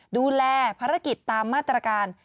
ดูแลภารกิจตามมาตรการ